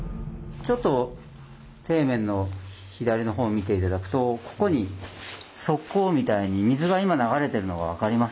ちょっと底面の左の方を見て頂くとここに側溝みたいに水が今流れてるのが分かります？